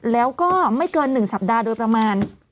แล้วก็ไม่เกิน๑สัปดาห์โดยประมาณ